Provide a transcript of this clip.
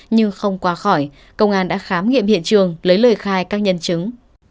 nhưng không qua khỏi công an đã khám nghiệm hiện trường lấy lời khai các nhân chứng